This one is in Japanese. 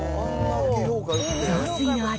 雑炊の味